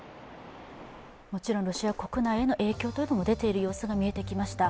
もちろんロシア国内への影響が出ている様子が見えてきました。